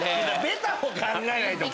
ベタを考えないと！